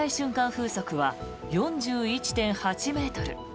風速は４１．８ｍ。